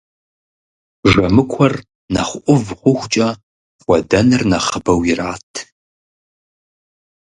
Жэмыкуэр нэхъ ӏув хъухукӏэ хэудэныр нэхъыбэу ират.